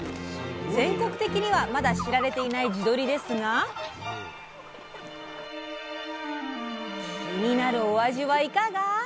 全国的にはまだ知られていない地鶏ですが気になるお味はいかが？